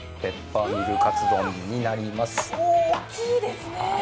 大きいですね。